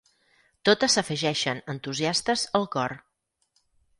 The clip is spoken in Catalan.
Totes s'afegeixen, entusiastes, al cor.